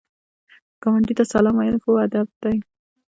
ګاونډي ته سلام ویل ښو ادب دی